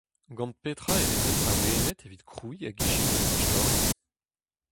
Gant petra e vezit awenet evit krouiñ hag ijinañ istorioù ?